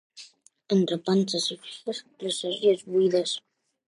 Entre panses i figues, tres sàrries buides.